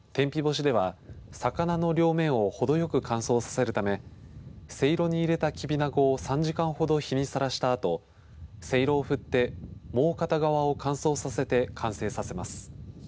天日干しでは魚の両面をほどよく乾燥させるため、せいろに入れたきびなごを３時間ほど日にさらしたあとせいろを振ってもう片側を乾燥させたあと完成させます。